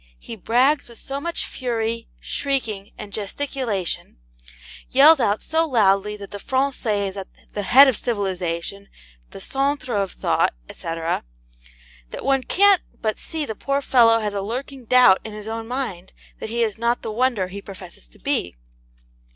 He brags with so much fury, shrieking, and gesticulation; yells out so loudly that the Francais is at the head of civilization, the centre of thought, &c. that one can't but see the poor fellow has a lurking doubt in his own mind that he is not the wonder he professes to be.